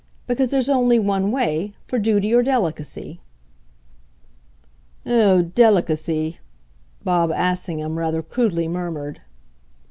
Because there's only one way for duty or delicacy." "Oh delicacy!" Bob Assingham rather crudely murmured.